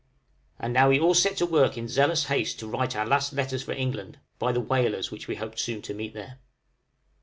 And now we all set to work in zealous haste to write our last letters for England, by the whalers, which we hoped soon to meet there.